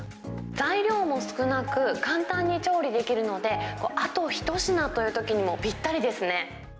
材料も少なく、簡単に調理できるので、あと一品というときにもぴったりですね。